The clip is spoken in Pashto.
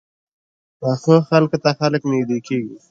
پخو خلکو ته خلک نږدې کېږي